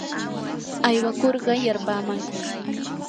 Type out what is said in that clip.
aywakurqa yarpaamankim.